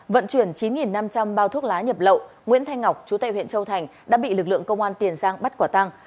vận chuyển chín năm trăm linh bao thuốc lá nhập lậu nguyễn thanh ngọc chú tệ huyện châu thành đã bị lực lượng công an tiền giang bắt quả tăng